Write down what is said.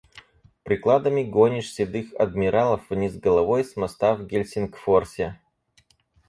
Прикладами гонишь седых адмиралов вниз головой с моста в Гельсингфорсе.